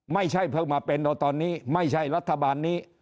ไม่ใช่เพิ่งมาเป็นเอาตอนนี้ไม่ใช่รัฐบาลนี้